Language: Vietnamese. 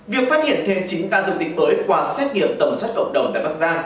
việc phát hiện thêm chín ca dương tính mới qua xét nghiệm tầm soát cộng đồng tại bắc giang